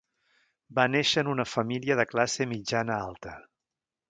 Va néixer en una família de classe mitjana-alta.